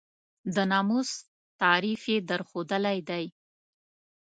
د ناموس تعریف یې درښودلی دی.